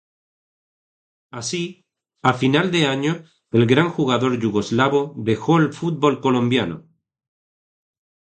Así, a final de año el gran jugador yugoslavo dejó el fútbol colombiano.